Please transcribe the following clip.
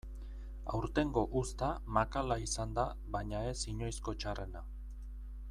Aurtengo uzta makala izan da baina ez inoizko txarrena.